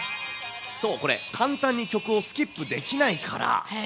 そう、これ、簡単に曲をスキップできないから。